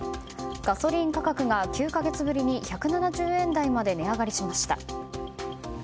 ガソリン価格が９か月ぶりに１７０円台まで値上がりしました。